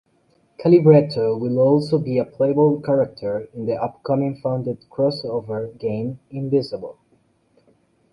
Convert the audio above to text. Calibretto will also be a playable character in the upcoming funded crossover game "Indivisible".